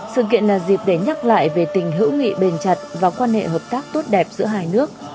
sự kiện là dịp để nhắc lại về tình hữu nghị bền chặt và quan hệ hợp tác tốt đẹp giữa hai nước